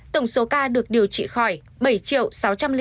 tổng số ca được điều trị khỏi bảy sáu trăm linh sáu bốn trăm bảy mươi sáu ca